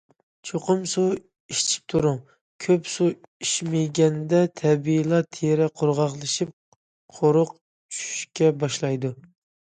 چوقۇم سۇ ئىچىپ تۇرۇڭ، كۆپ سۇ ئىچمىگەندە تەبىئىيلا تېرە قۇرغاقلىشىپ، قورۇق چۈشۈشكەن باشلايدۇ.